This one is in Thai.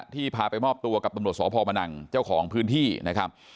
พาไปมอบตัวกับตำรวจสพมนังเจ้าของพื้นที่นะครับ